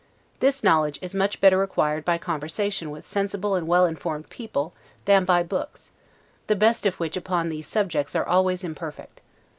This knowledge is much better acquired by conversation with sensible and well informed people, than by books, the best of which upon these subjects are always imperfect.